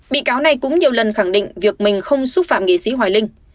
bị cáo này cũng nhiều lần khẳng định việc mình không xúc phạm nghị sĩ hoài linh